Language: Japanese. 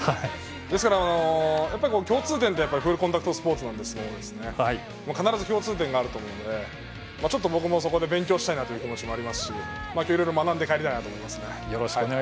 ですから、共通点コンタクトスポーツなので必ず共通点があると思うので僕もそこで勉強したいなというのもありますしいろいろ学んで帰りたいと思います。